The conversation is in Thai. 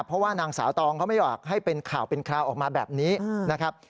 เพราะว่านางสาวตองเขาไม่อยากให้เป็นข่าวเป็นคราวออกมาแบบนี้นะครับ